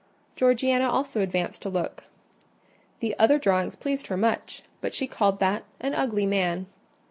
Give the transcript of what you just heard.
Georgiana also advanced to look. The other drawings pleased her much, but she called that "an ugly man."